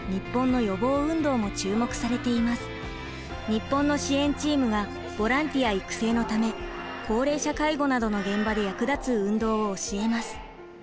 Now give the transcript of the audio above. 日本の支援チームがボランティア育成のため高齢者介護などの現場で役立つ運動を教えます。